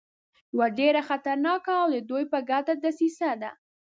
یوه ډېره خطرناکه او د دوی په ګټه دسیسه ده.